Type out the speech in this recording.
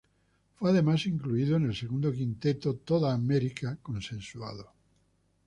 Fue además incluido en el segundo quinteto All-American consensuado.